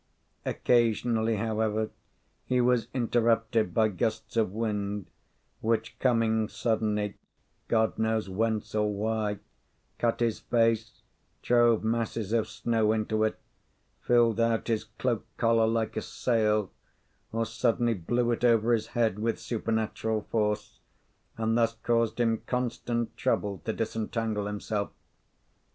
Occasionally, however, he was interrupted by gusts of wind, which, coming suddenly, God knows whence or why, cut his face, drove masses of snow into it, filled out his cloak collar like a sail, or suddenly blew it over his head with supernatural force, and thus caused him constant trouble to disentangle himself.